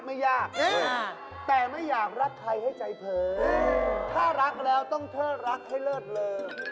เพียงแค่นี้แค่นี้ก็แค่นี้